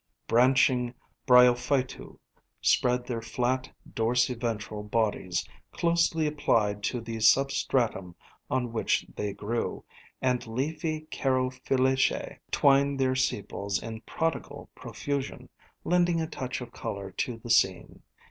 Branching bryophytu spread their flat, dorsi ventral bodies, closely applied to the sub stratum on which they grew, and leafy carophyllaceæ twined their sepals in prodigal profusion, lending a touch of color to the scene.